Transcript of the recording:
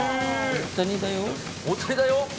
大谷だよ。